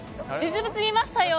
実物見ましたよ！